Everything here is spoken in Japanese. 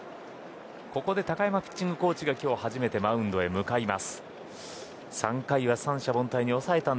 ここで高山ピッチングコーチが今日初めてマウンドに向かいました。